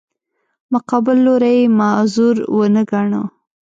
مقابل لوری یې معذور ونه ګاڼه.